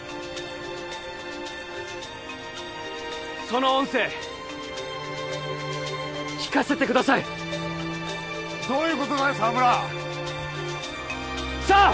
その音声聞かせてくださいどういうことだよ沢村さあ！